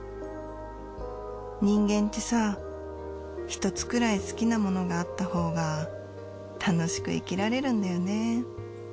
人間ってさ１つくらい好きなものが楽しく生きられるんだよね。